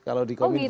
kalau di kominfo itu